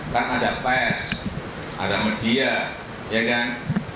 kan ada pers ada media ya kan